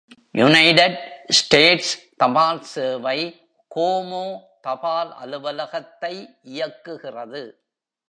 United States தபால் சேவை கோமோ தபால் அலுவலகத்தை இயக்குகிறது.